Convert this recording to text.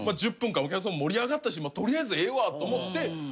１０分間お客さん盛り上がったし取りあえずええわと思って。